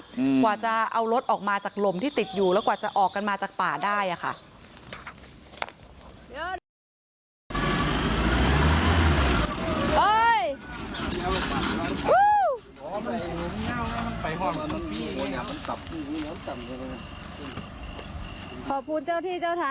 กว่าจะเอารถออกมาจากลมที่ติดอยู่แล้วกว่าจะออกกันมาจากป่าได้อ่ะค่ะ